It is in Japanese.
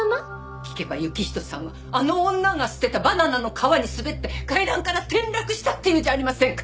聞けば行人さんはあの女が捨てたバナナの皮に滑って階段から転落したっていうじゃありませんか！